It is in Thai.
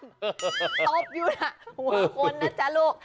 ตบอยู่นะห่วงคนนะจ๊ะลูก